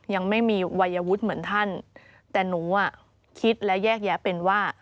ยังไม่มีวัยวุฒิเหมือนท่านแต่หนูอ่ะคิดและแยกแยะเป็นว่า